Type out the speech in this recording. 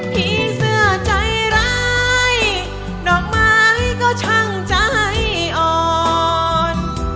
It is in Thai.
ผีเสื้อใจร้ายดอกไม้ก็ช่างใจอ่อน